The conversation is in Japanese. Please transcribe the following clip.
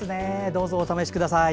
どうぞお試しください。